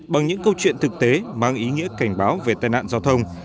bằng những câu chuyện thực tế mang ý nghĩa cảnh báo về tai nạn giao thông